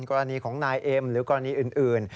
กรณีของนายเอ็มหรือกรณีอื่น